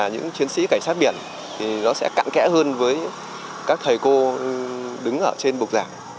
những chiến sĩ cảnh sát biển thì nó sẽ cạn kẽ hơn với các thầy cô đứng ở trên bục giảng